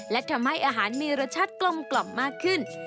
และทำให้อาหารมีรสชาติกลมมากขึ้น